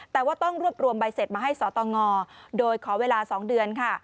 แต่ว่าต้องรวบรวมใบเสร็จมาให้สตงโดยขอเวลา๒เดือนค่ะ